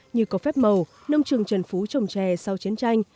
như có phép màu nông trường trần phú trồng trè sau chiến tranh